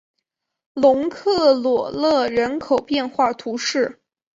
龙克罗勒人口变化图示